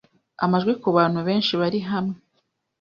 amajwi ku bantu benshi bari hamwe